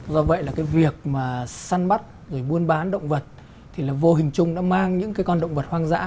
do vậy là việc săn bắt buôn bán động vật thì vô hình chung đã mang những con động vật hoang dã